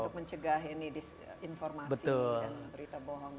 untuk mencegah ini disinformasi dan berita bohong